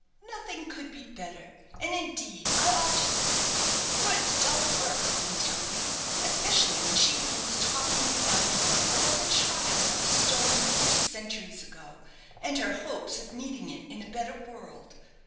"Nothing could be better, and indeed I ought to succeed, for it's dull work, I can tell you, especially when she begins talking resignedly about the child that was stolen a few centuries ago, and her hopes of meeting it in a better world.